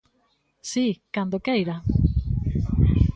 Si, cando queira.